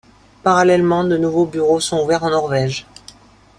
Parallèlement, de nouveaux bureaux sont ouverts en Norvège.